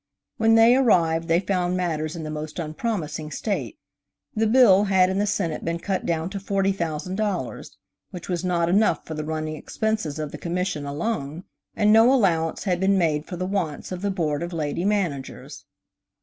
When they arrived they found matters in the most unpromising state. The bill had in the Senate been cut down to $40,000, which was not enough for the running expenses of the Commission alone, and no allowance had been made for the wants of the Board of Lady Managers.